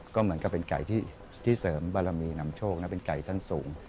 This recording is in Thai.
ก็เหมือนกับเป็นไก่ที่เสริมบารมีนำโชคนะเป็นไก่ชั้นสูง